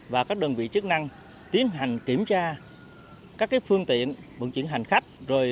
và các đơn vị chức năng tiến hành kiểm tra các phương tiện vận chuyển hành khách